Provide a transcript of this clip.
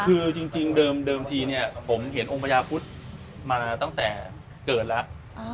คือจริงเดิมทีเนี่ยผมเห็นองค์พญาพุทธมาตั้งแต่เกิดแล้ว